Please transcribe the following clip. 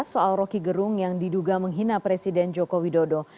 soal roky gerung yang diduga menghina presiden jokowi dodo